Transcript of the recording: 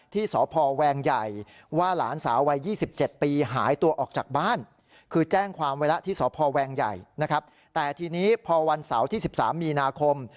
ที่สพแวงใหญ่นะครับแต่ทีนี้พอวันเสาร์ที่๑๓มีนาคม